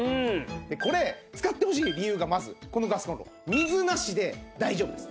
これ使ってほしい理由がまずこのガスコンロ水なしで大丈夫です。